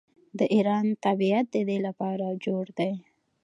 د ایران طبیعت د دې لپاره جوړ دی.